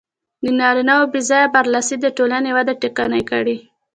د نارینهوو بې ځایه برلاسي د ټولنې وده ټکنۍ کړې.